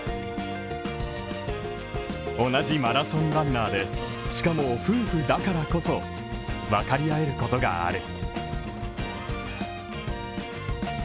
同じマラソンランナーで、しかも夫婦だからこそわかり合えることがある。